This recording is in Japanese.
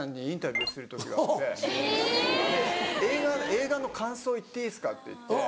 「映画の感想言っていいですか？」って言って。